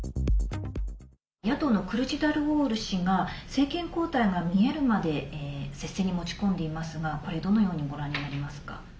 野党のクルチダルオール氏が政権交代が見えるまで接戦に持ち込んでいますがこれ、どのようにご覧になりますか？